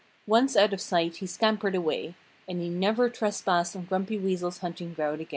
Once out of sight he scampered away. And he never trespassed on Grumpy Weasel's hunting ground again.